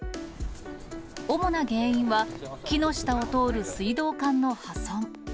主な原因は、木の下を通る水道管の破損。